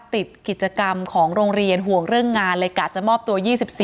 ติดกิจกรรมของโรงเรียนห่วงเรื่องงานเลยกะจะมอบตัว๒๔